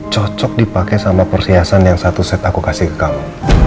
cocok dipakai sama perhiasan yang satu set aku kasih ke kamu